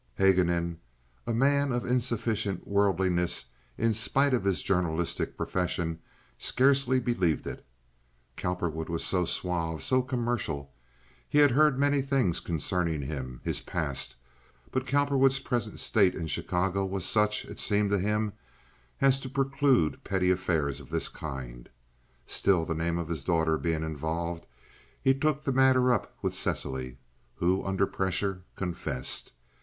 Haguenin, a man of insufficient worldliness in spite of his journalistic profession, scarcely believed it. Cowperwood was so suave, so commercial. He had heard many things concerning him—his past—but Cowperwood's present state in Chicago was such, it seemed to him, as to preclude petty affairs of this kind. Still, the name of his daughter being involved, he took the matter up with Cecily, who under pressure confessed.